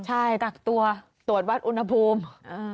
ใช่กักตัวตรวจวัดอุณหภูมิ